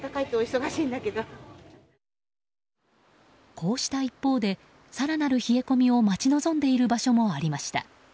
こうした一方で更なる冷え込みを待ち望んでいる場所もありました。